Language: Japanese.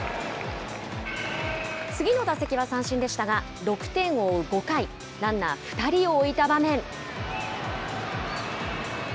次の打席は三振でしたが、６点を追う５回、ランナー２人を置いた場面。